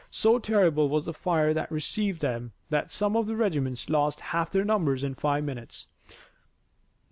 So terrible was the fire that received them that some of the regiments lost half their numbers in five minutes.